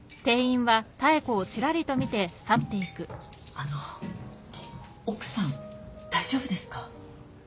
あの奥さん大丈夫ですか？